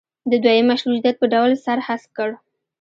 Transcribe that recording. د دویم مشروطیت په ډول سر هسک کړ.